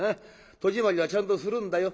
戸締まりはちゃんとするんだよ」。